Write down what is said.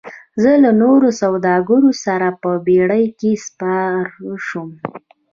زه له نورو سوداګرو سره په بیړۍ کې سپار شوم.